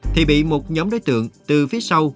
thì bị một nhóm đối tượng từ phía sau